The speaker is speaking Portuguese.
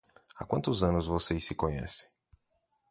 Há quantos anos vocês se conhecem?